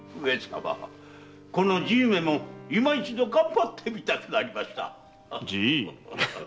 このじいめも今一度頑張ってみたくなりました。